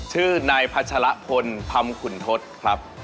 ชื่อนายพัชระพนค์พรรมขุนทศครับ